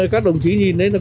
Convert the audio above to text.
các đồng chí nhìn đấy